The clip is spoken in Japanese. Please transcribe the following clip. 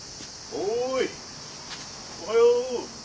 おはよう。